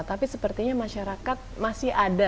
tapi sepertinya masyarakat masih ada